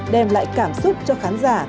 đem lại cảm xúc cho khán giả